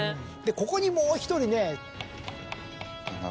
ここにもう１人ね。